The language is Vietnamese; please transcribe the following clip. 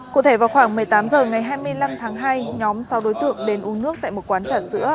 cụ thể vào khoảng một mươi tám h ngày hai mươi năm tháng hai nhóm sau đối tượng đến uống nước tại một quán trà sữa